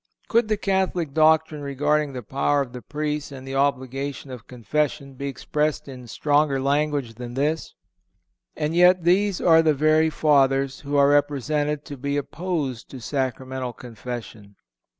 (455) Could the Catholic doctrine regarding the power of the Priests and the obligation of confession be expressed in stronger language than this? And yet these are the very Fathers who are represented to be opposed to Sacramental Confession!